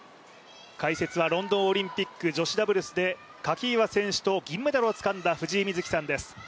解説はロンドンオリンピック、女子ダブルスで垣岩選手と銀メダルをつかんだ藤井瑞希さんです